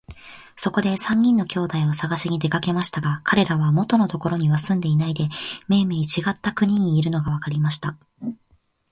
そこで三人の兄弟をさがしに出かけましたが、かれらは元のところには住んでいないで、めいめいちがった国にいるのがわかりました。